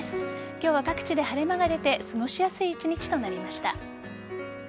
今日は各地で晴れ間が出て過ごしやすい一日となりました。